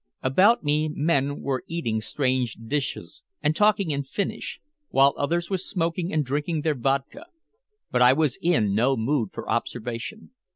About me men were eating strange dishes and talking in Finnish, while others were smoking and drinking their vodka; but I was in no mood for observation.